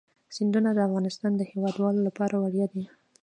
سیندونه د افغانستان د هیوادوالو لپاره ویاړ دی.